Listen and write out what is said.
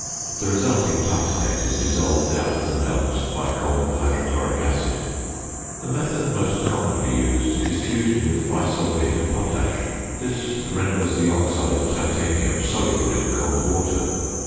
The resulting titanate is dissolved out of the "melt" by cold hydrochloric acid. The method most commonly used is fusion with bisulphate of potash. This renders the oxide of titanium soluble in cold water.